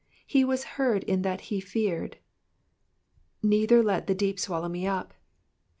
He was heard in that he feared, ^^yeither let the deep swallow me up.